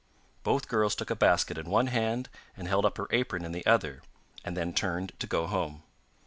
Both girls took a basket in one hand and held up her apron in the other and then turned to go home.